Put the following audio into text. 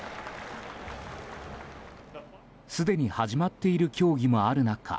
すでに始まっている競技もある中